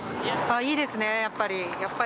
いいですね、やっぱり。